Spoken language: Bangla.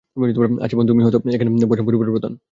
আচ্ছা বোন, তুমিই হয়তো এখন পসাম পরিবারের প্রধান।